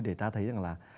để ta thấy rằng là